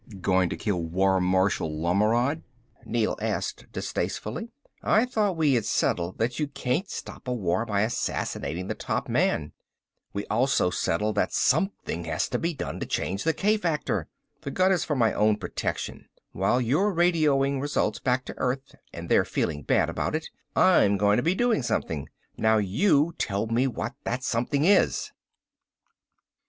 "Going to kill War Marshal Lommeord?" Neel asked distastefully. "I thought we had settled that you can't stop a war by assassinating the top man." "We also settled that something can be done to change the k factor. The gun is for my own protection. While you're radioing results back to Earth and they're feeling bad about it, I'm going to be doing something. Now you tell me what that something is."